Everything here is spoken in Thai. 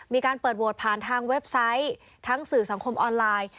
มีการเปิดโหวตผ่านทางเว็บไซต์ทั้งสื่อสังคมออนไลน์